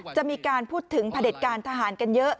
จะมีการพูดถึงพระเด็จการทหารกันเยอะ